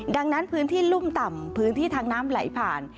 ดังนั้นพื้นที่รุ่มต่ำพื้นที่ทางน้ำไหลผ่าน